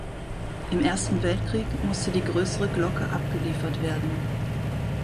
Im Ersten Weltkrieg musste die größere Glocke abgeliefert werden.